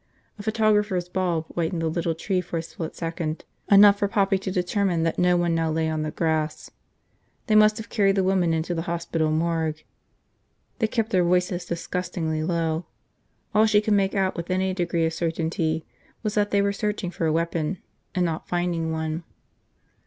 A photographer's bulb whitened the little tree for a split second, enough for Poppy to determine that no one now lay on the grass. They must have carried the woman into the hospital morgue. They kept their voices disgustingly low. All she could make out with any degree of certainty was that they were searching for a weapon and not finding one.